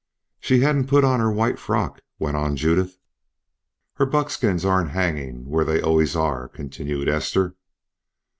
"She hadn't put on her white frock," went on Judith. "Her buckskins aren't hanging where they always are," continued Esther.